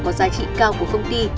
có giá trị cao của công ty